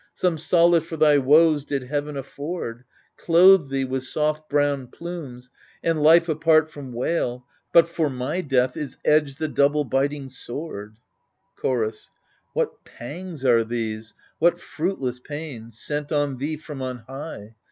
Some solace for thy woes did Heaven afford, Clothed thee with soft brown plumes, and life apart from wail — But for my death is edged the double biting sword 1 Chorus What pangs are these, what fruitless pain. Sent on thee from on high